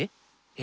え？